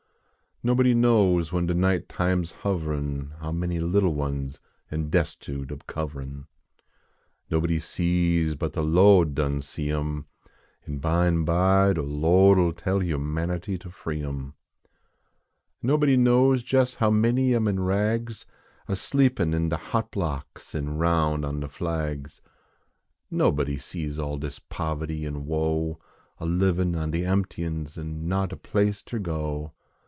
Nobody knows when de night time s hoverin How many little ones am des tute ob coverin . Nobody sees but de Lo d done see em, An bime by de Lo d 11 tell humanity ter free em. Nobody knows jes how many am in rags, A sleepin in de hot blocks an roun on de flags. Nobody sees all dis poverty an woe, A livin on de emptyins an not a place ter go.